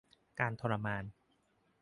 การทรมาน